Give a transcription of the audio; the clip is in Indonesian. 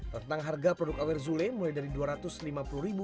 tentang harga produk awer zule mulai dari rp dua ratus lima puluh